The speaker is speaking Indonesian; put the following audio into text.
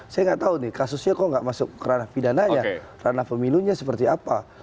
saya nggak tahu nih kasusnya kok nggak masuk ke ranah pidananya ranah pemilunya seperti apa